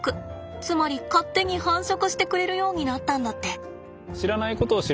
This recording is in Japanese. つまり勝手に繁殖してくれるようになったんだって。